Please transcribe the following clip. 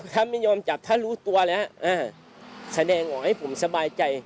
ถ้าไม่ยอมจับถ้ารู้ตัวแล้วแสดงออกให้ผมสบายใจ